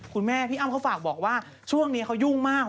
พี่อ้ำเขาฝากบอกว่าช่วงนี้เขายุ่งมาก